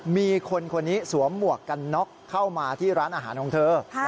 มีคนคนนี้สวมหมวกกันน็อกเข้ามาที่ร้านอาหารของเธอ